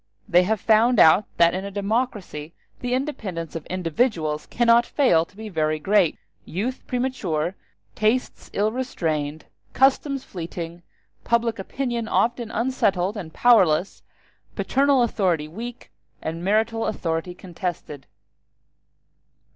They have found out that in a democracy the independence of individuals cannot fail to be very great, youth premature, tastes ill restrained, customs fleeting, public opinion often unsettled and powerless, paternal authority weak, and marital authority contested.